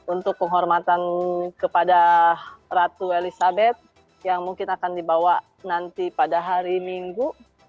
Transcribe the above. untuk penghormatan kepada ratu elizabeth yang mungkin akan dibawa nanti pada hari minggu